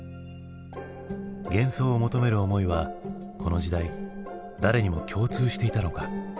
幻想を求める思いはこの時代誰にも共通していたのか？